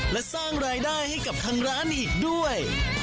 และสร้างรายได้ให้กับทางร้านอีกด้วย